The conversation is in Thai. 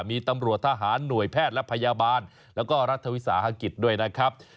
มีตำรวจทหารหน่วยแพทย์และพยาบาลแล้วก็รัฐวิสาหกิจด้วยนะครับ